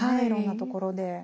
いろんなところで。